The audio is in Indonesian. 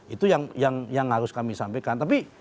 itu yang harus kami sampaikan